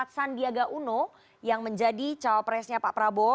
sandiaga uno yang menjadi cowok presnya pak prabowo